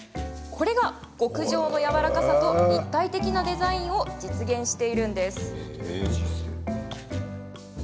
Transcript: これが極上のやわらかさと立体的なデザインとを実現しているんです。